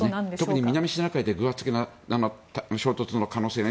特に南シナ海で偶発的な衝突の可能性が